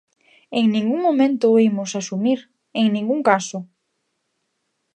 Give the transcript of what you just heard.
¡En ningún momento o imos asumir!, ¡en ningún caso!